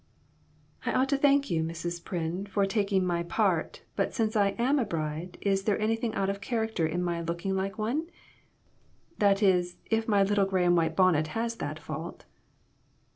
"" I ought to thank you, Mrs. Pryn, for taking my part, but since I am a bride, is there anything out of character in my looking like one ? That is, if my little gray and white bonnet has that fault."